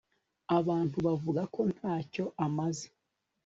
abantu bavuga ko ntacyo amaze